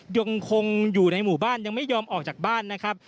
ยังคงอยู่ในหมู่บ้านยังไม่ยอมออกจากบ้านนะครับ